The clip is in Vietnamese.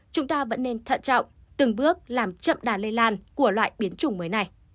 chúng ta vẫn nên thận trọng từng bước làm chậm đà lây lan của loại biến chủng mới này